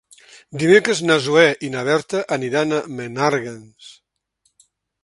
Dimecres na Zoè i na Berta aniran a Menàrguens.